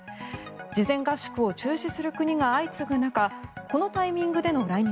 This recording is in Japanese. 事前合宿を中止する国が相次ぐ中このタイミングでの来日。